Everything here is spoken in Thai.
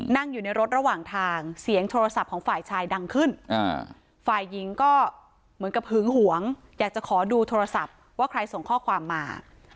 นั่งอยู่ในรถระหว่างทางเสียงโทรศัพท์ของฝ่ายชายดังขึ้นฝ่ายหญิงก็เหมือนกับหึงหวงอยากจะขอดูโทรศัพท์ว่าใครส่งข้อความมา